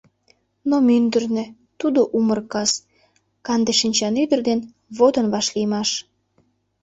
Но мӱндырнӧ Тудо умыр кас, Канде шинчан ӱдыр ден Водын вашлиймаш.